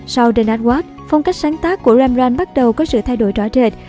sau the night watch phong cách sáng tác của rembrandt bắt đầu có sự thay đổi rõ rệt